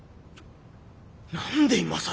何で今更！